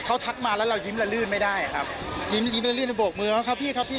เขาทักมาแล้วเรายิ้มละลื่นไม่ได้ครับยิ้มแล้วยิ้มละลืนแล้วโบกมือเขาครับพี่ครับพี่